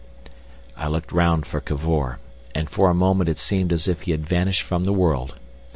I looked round for Cavor, and for a moment it seemed as if he had vanished from the world.